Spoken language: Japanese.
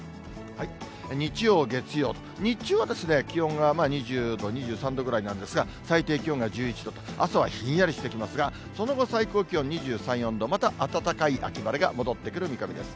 日曜、月曜、日中はですね、気温が２０度、２３度ぐらいなんですが、最低気温が１１度と、朝はひんやりしてきますが、その後、最高気温２３、４度、また暖かい秋晴れが戻ってくる見込みです。